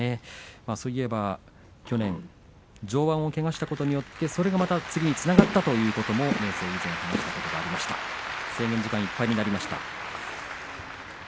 そういえば去年上腕をけがしたことによってそれが次につながったということは明生も言っていたことがありました。